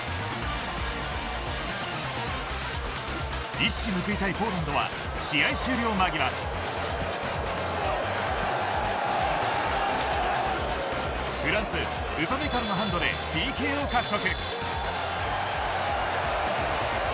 一矢報いたいポーランドは試合終了間際フランス・ウパメカノのハンドでＰＫを獲得。